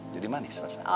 jadi manis rasa